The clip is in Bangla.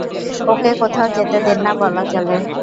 ওকে কোথাও যেতে দেন না, বলা চলে।